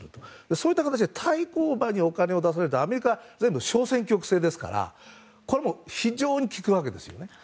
そういった形で対抗馬にお金を出されたらアメリカは全部小選挙区制ですから非常に効くわけですね。